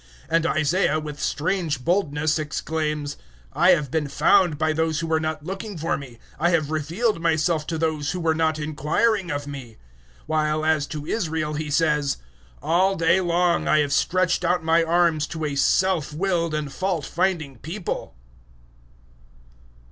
010:020 And Isaiah, with strange boldness, exclaims, "I have been found by those who were not looking for Me, I have revealed Myself to those who were not inquiring of Me." 010:021 While as to Israel he says, "All day long I have stretched out My arms to a self willed and fault finding people."